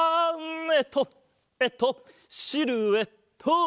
えっとえっとシルエット！